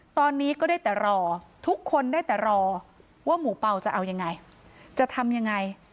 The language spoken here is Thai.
ตอนนี้ก็ได้แต่รอทุกคนได้แต่รอว่าหมูเป่าจะเอายังไงจะทำยังไง